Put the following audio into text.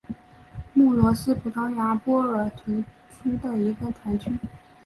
穆罗是葡萄牙波尔图区的一个堂区。